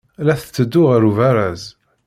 La tetteddu ɣer ubaraz.